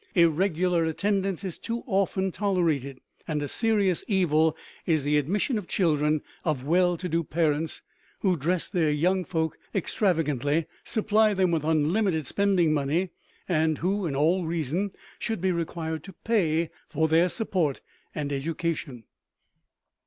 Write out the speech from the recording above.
Irregular attendance is too often tolerated; and a serious evil is the admission of children of well to do parents, who dress their young folks extravagantly, supply them with unlimited spending money, and who, in all reason, should be required to pay for their support and education.